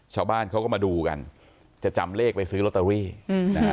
ชาวบ้านเขาก็มาดูกันจะจำเลขไปซื้อลอตเตอรี่นะฮะ